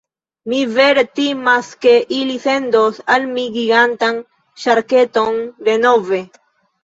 Mi vere timas ke ili sendos al mi gigantan ŝarketon denove.